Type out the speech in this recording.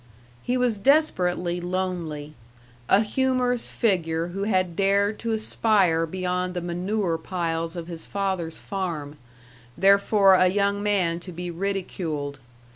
He was desperately lonely a humorous figure who had dared to aspire beyond the manure piles of his father's farm; therefore a young man to be ridiculed.